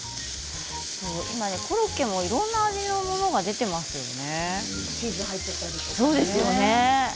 コロッケも、いろんな味のものが出ていますからね。